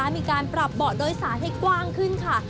มีการปรับเบาะโดยสารให้กว้างขึ้นค่ะ